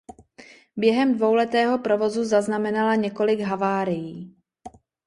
Během dvouletého provozu zaznamenala několik havárií.